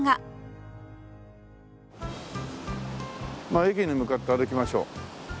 まあ駅に向かって歩きましょう。